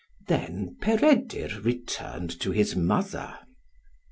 Then Peredur returned to his mother.